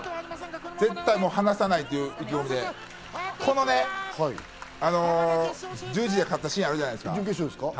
絶対離さない意気込みでこの十字で勝ったシーンあったじゃないですか。